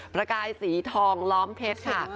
ประกายสีทองล้อมเพชรค่ะ